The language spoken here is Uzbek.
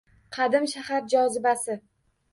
Qadim shahar jozibasi